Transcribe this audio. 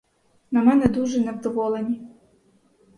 На мене дуже невдоволені.